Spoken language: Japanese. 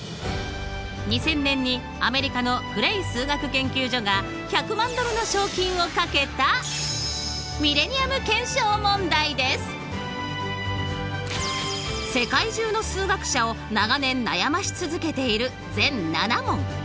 ２０００年にアメリカのクレイ数学研究所が１００万ドルの賞金を懸けた世界中の数学者を長年悩まし続けている全７問。